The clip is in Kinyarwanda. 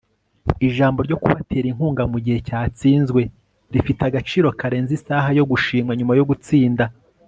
ijambo ryo kubatera inkunga mugihe cyatsinzwe rifite agaciro karenze isaha yo gushimwa nyuma yo gutsinda